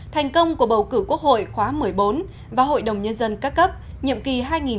thành công của bầu cử quốc hội khóa một mươi bốn và hội đồng nhân dân ca cấp nhiệm kỳ hai nghìn một mươi sáu hai nghìn hai mươi một